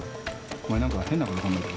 お前何か変なこと考えてる？